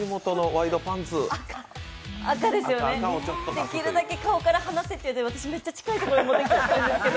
赤ですよね、できるだけ顔から離せって言われて私めっちゃ近いところに持ってきましたけど。